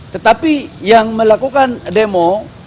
tetapi yang melakukan demo